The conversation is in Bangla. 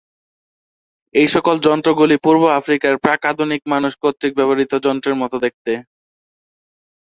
এইসকল যন্ত্রগুলি পূর্ব আফ্রিকায় প্রাক-আধুনিক মানুষ কর্তৃক ব্যবহৃত যন্ত্রের মত দেখতে।